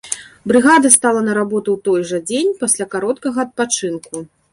Брыгада стала на работу ў той жа дзень, пасля кароткага адпачынку.